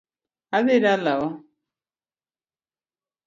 Adhi dalawa